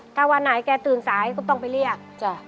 ถ้าวันไหนแกตื่นสายก็ต้องไปเรียก